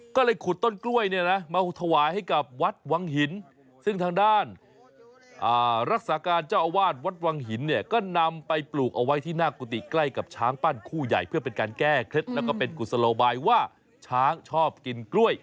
ก็เลยขุดต้นกล้วยเนี่ยนะมาถวายให้กับวัดวังหินซึ่งทางด้านรักษาการเจ้าอาวาสวัดวังหินเนี่ยก็นำไปปลูกเอาไว้ที่หน้ากุฏิใกล้กับช้างปั้นคู่ใหญ่เพื่อเป็นการแก้เคล็ดแล้วก็เป็นกุศโลบายว่าช้างชอบกินกล้วย